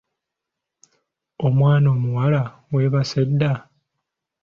Omwana Omuwala weebase dda!